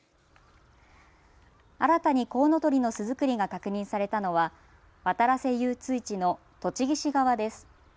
新たにコウノトリの巣作りが確認されたのは渡良瀬遊水地の栃木市側です。